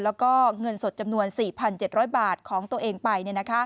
แล้วก็เงินสดจำนวน๔๗๐๐บาทของตัวเองไป